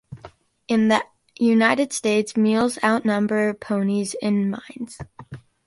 In the United States, mules outnumbered ponies in mines.